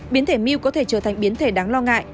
biến thể myu có thể trở thành biến thể đáng lo ngại